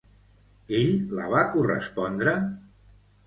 Ell la va correspondre?